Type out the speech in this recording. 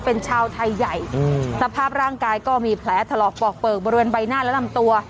เป็นชาวไทยใหญ่สภาพร่างกายก็มีแผลถลอกปอกเปลือกบริเวณใบหน้าและลำตัว